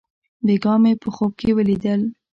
بېګاه مې په خوب کښې وليدل.